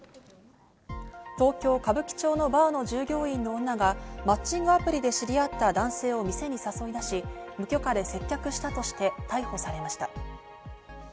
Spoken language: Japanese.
東京・歌舞伎町のバーの従業員の女がマッチングアプリで知り合った男性を店に誘い出し、無許可で接客したとして逮捕されました。